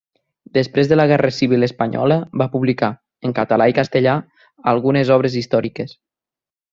Després de la Guerra Civil Espanyola va publicar, en català i castellà, algunes obres històriques.